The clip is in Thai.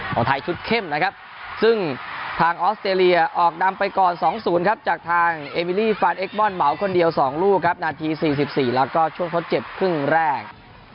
ของไทยชุดเข้มนะครับซึ่งทางออสเตรเลียออกนำไปก่อน๒๐ครับจากทางเอมิลี่ฟานเอ็มบอลเหมาคนเดียว๒ลูกครับนาที๔๔แล้วก็ช่วงทดเจ็บครึ่งแรก